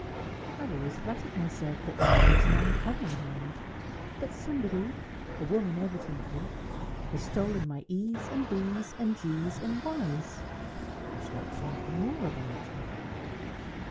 "I have always flattered myself that mine was an uncommon hand. But somebody a woman evidently has stolen my e's and b's and g's and y's. I should like to know a little more about her."